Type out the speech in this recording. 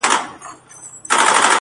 o غم پسې جالې گرځي، غڼ پسي مالې گرځي!